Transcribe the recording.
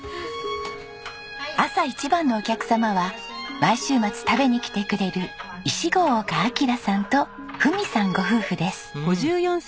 朝一番のお客様は毎週末食べに来てくれる石郷岡章さんと文美さんご夫婦です。